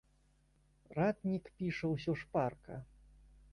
Ратнік піша усё шпарка.